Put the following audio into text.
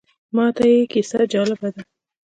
ماته یې کیسې جالبه دي.